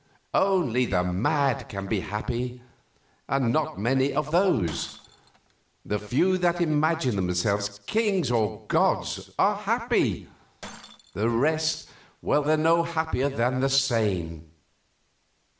Only the mad can be happy, and not many of those. The few that imagine themselves kings or gods are happy, the rest are no happier than the sane.